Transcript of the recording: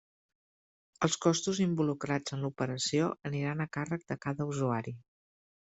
Els costos involucrats en l'operació aniran a càrrec de cada usuari.